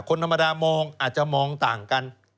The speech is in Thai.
คนธรรมดามองอาจจะมองต่างกัน